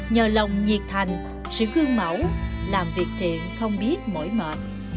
nhờ lòng nhiệt thành sự gương mẫu làm việc thiện không biết mỗi mệt